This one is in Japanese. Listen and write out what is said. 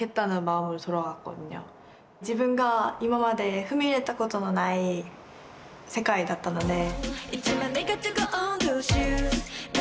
自分が今まで踏み入れたことのない世界だったので。